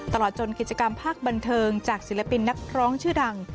ตลอดจนกิจกรรมภาคบันเทิงจากศิลปินนักร้องชื่อดัง